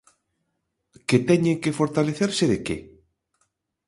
¿Que teñen que fortalecerse de que?